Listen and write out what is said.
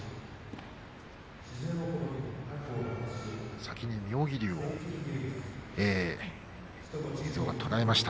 先に妙義龍を映像が捉えました。